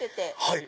はい。